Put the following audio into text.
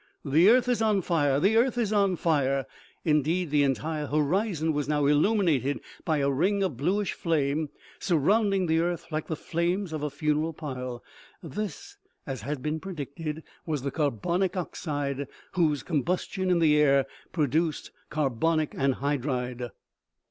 The earth is on fire ! The earth is on fire ! Indeed, the entire horizon was now illuminated by a ring of bluish flame, surround ing the earth like the flames of a funeral pile. This, as had been predicted, was the carbonic oxide, whose com bustion in the air produced carbonic anhydride.